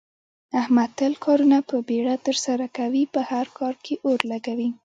احمد تل کارونه په بیړه ترسره کوي، په هر کار کې اور لگوي.